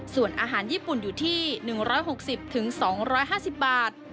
ส่วนอาหารญี่ปุ่นอยู่ที่๑๖๐๒๕๐บาท